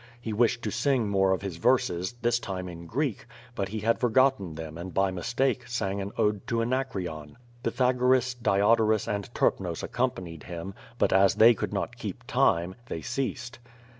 He wished to sing more of his verses, this time in Greek, but he had forgotten them and by mistake sang an ode to Anacreon. Pythagoras, Diodorus, and Terpnos ac companied him, but as they could not keep time, they ceased.